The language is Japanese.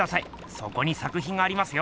そこに作品がありますよ。